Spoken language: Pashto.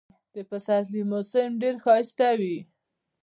د پسرلي موسم ډېر ښایسته وي.